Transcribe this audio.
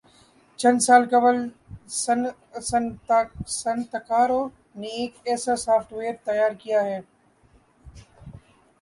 چند سال قبل صنعتکاروں نے ایک ایسا سافٹ ویئر تیار کیا ہے